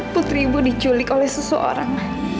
putri ibu diculik oleh seseorang